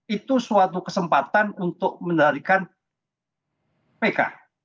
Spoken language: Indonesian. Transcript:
itu suatu kesempatan untuk menarikan pk